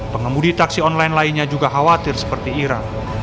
pengemudi taksi online lainnya juga khawatir seperti ira